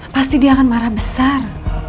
pasti dia akan marah besar